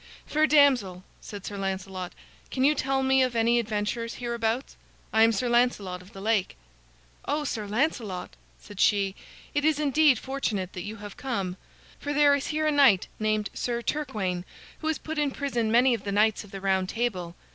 "Fair damsel," said Sir Lancelot, "can you tell me of any adventures hereabouts? I am Sir Lancelot of the Lake." "Oh, Sir Lancelot," said she, "it is indeed fortunate that you have come, for there is here a knight named Sir Turquaine who has put in prison many of the knights of the Round Table.